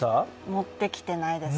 持ってきてないです。